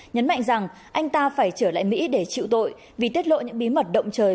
nhấn mạnh rằng anh ta phải trở lại mỹ để chịu tội vì tiết lộ những bí mật động trời